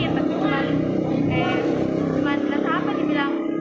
tapi cuma tersangka dia bilang